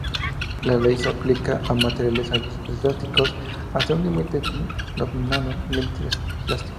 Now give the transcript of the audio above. La ley se aplica a materiales elásticos hasta un límite denominado límite elástico.